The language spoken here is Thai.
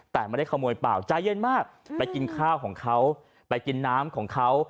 แต่ไม่ได้ขโมยเปล่าใจเย็นมากไปกินข้าวของเขาไปกินน้ำของเขา